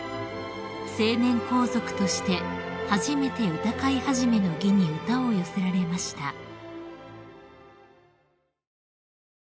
［成年皇族として初めて歌会始の儀に歌を寄せられました］